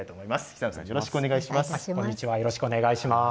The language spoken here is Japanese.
久野さん、よろしくお願いします。